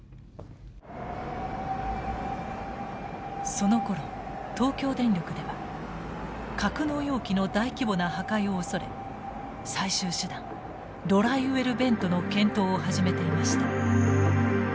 そのころ東京電力では格納容器の大規模な破壊を恐れ最終手段ドライウェルベントの検討を始めていました。